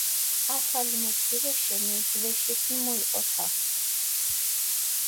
ახალი მოჯგირეშენი ჯვეშის ნუ მიოჸოთა